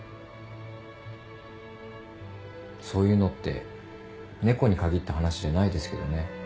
そういうのって猫に限った話じゃないですけどね。